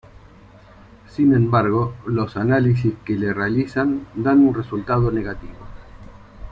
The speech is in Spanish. Sin embargo, los análisis que le realizan dan un resultado negativo.